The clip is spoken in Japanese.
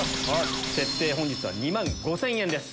設定本日は２万５０００円です。